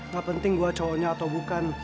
gak penting gue cowoknya atau bukan